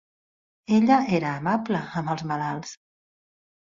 Ella era amable amb els malalts.